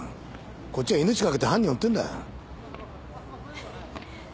こっちは命懸けて犯人を追ってるんだよ。